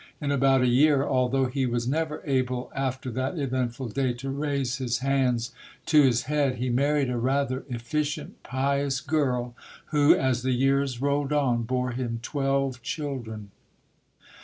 In about a year, al though he was never able after that eventful day to raise his hands to his head, he married a rather efficient, pious girl who, as the years rolled on, bore him twelve children.